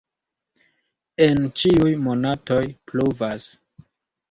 En ĉiuj monatoj pluvas.